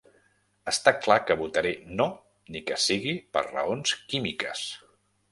Està clar que votaré No, ni que sigui per raons químiques.